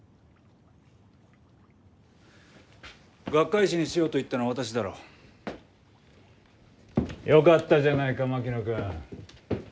学会誌にしようと言ったのは私だろう？よかったじゃないか槙野君。